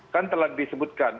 kan telah disebutkan